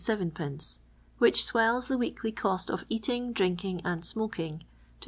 which swells the weekly cost of eating, drinking, and smoking to 13«.